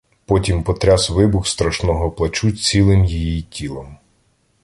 Потім потряс вибух страшного плачу цілим її тілом.